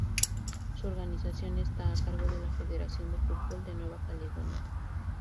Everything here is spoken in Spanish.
Su organización está a cargo de la Federación de Fútbol de Nueva Caledonia.